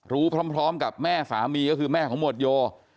รู้พร้อมกับแม่สามีก็คือแม่ของหมวดโย